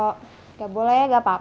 kalau gak boleh gak apa apa